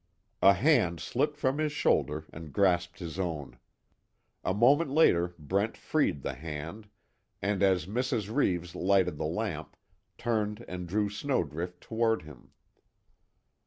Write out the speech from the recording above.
A hand slipped from his shoulder and grasped his own. A moment later, Brent freed the hand, and as Mrs. Reeves lighted the lamp, turned and drew Snowdrift toward him.